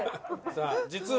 さあ実は。